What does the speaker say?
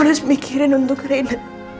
kamu harus mikirin untuk reina